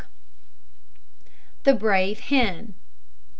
THE BRAVE HEN.